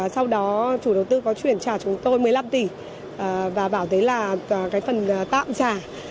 sau đó chủ đầu tư có chuyển trả chúng tôi một mươi năm tỷ và bảo thấy là cái phần tạm trả